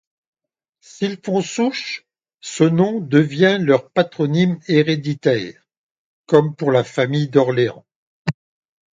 S'ils font souche, ce nom devient leur patronyme héréditaire, comme pour la famille d'Orléans.